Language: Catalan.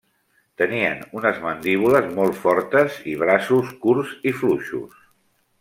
Tenien unes mandíbules molt fortes i braços curts i fluixos.